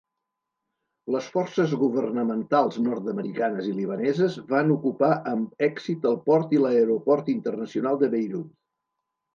Les forces governamentals nord-americanes i libaneses van ocupar amb èxit el port i l'aeroport internacional de Beirut.